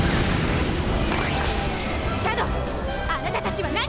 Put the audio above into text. シャドウあなたたちは何？